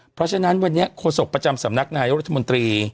เพราะฉะนั้นวันนี้โฆษกประจำสำนักนายกรัฐมนตรี